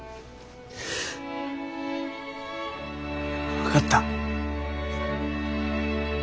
分かった。